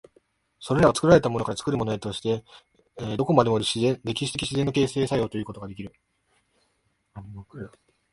それは作られたものから作るものへとして、どこまでも歴史的自然の形成作用ということができる。